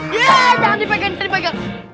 jangan dipaikan dipaikan